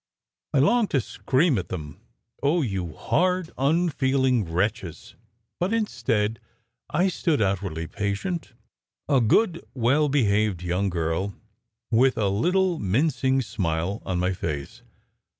I longed to scream at them, "Oh, you hard, unfeeling wretches!" But instead I stood outwardly patient, a good, well behaved young girl with a little mincing smile on my face.